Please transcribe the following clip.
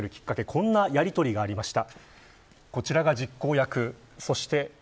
こんなやりとりがありました。